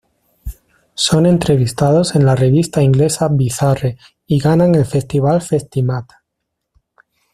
Son entrevistados en la revista inglesa Bizarre y ganan el festival Festimad.